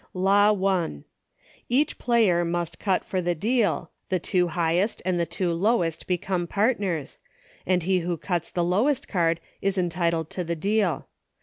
Law I. Each player must cut for the deal, the two highest and the two lowest become partners, and he who cuts the lowest card is entitled to the deal.